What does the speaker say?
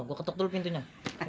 gue ketok dulu pintunya